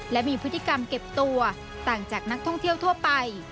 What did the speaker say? และมีพฤติกรรมเก็บตัวต่างจากนักท่องเที่ยวทั่วไป